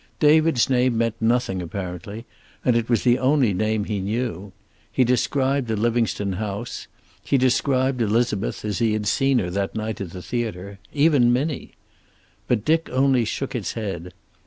David's name meant nothing, apparently, and it was the only name he knew. He described the Livingstone house; he described Elizabeth as he had seen her that night at the theater. Even Minnie. But Dick only shook his head.